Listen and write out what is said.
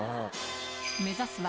目指すは